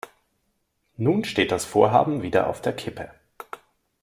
Nun steht das Vorhaben wieder auf der Kippe.